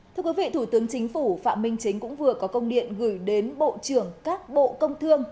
thưa quý vị thủ tướng chính phủ phạm minh chính cũng vừa có công điện gửi đến bộ trưởng các bộ công thương